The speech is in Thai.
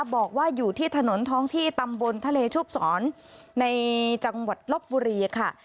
บอกว่าอยู่ที่ถนนท้องที่ตำบลทะเลชุบศรในจังหวัดลบบุรีค่ะ